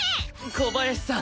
小林さん